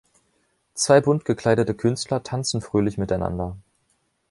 Zwei bunt gekleidete Künstler tanzen fröhlich miteinander.